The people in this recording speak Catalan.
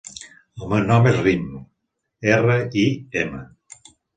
El meu nom és Rim: erra, i, ema.